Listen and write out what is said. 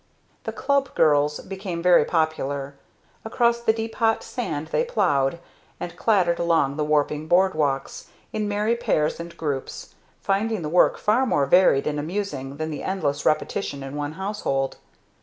The "club girls" became very popular. Across the deep hot sand they ploughed, and clattered along the warping boardwalks, in merry pairs and groups, finding the work far more varied and amusing than the endless repetition in one household.